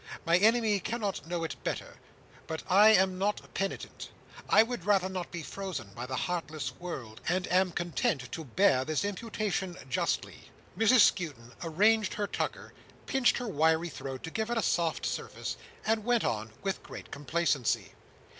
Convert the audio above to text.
My enemy cannot know it better. But I am not penitent; I would rather not be frozen by the heartless world, and am content to bear this imputation justly." Mrs Skewton arranged her tucker, pinched her wiry throat to give it a soft surface, and went on, with great complacency.